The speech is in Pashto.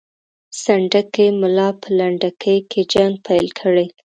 سنډکي ملا به په لنډکي کې جنګ پیل کړي.